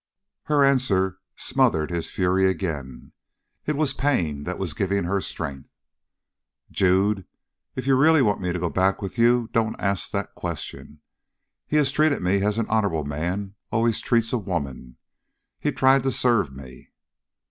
Her answer smothered his fury again. It was pain that was giving her strength. "Jude, if you really want me to go back with you, don't ask that question. He has treated me as an honorable man always treats a woman he tried to serve me."